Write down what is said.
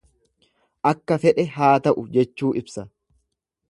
Akka fedhe haa ta'u jechuu ibsa.